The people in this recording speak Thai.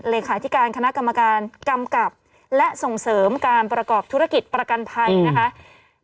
เลขาธิการคณะกรรมการกำกับและส่งเสริมการประกอบธุรกิจประกันภัยนะคะ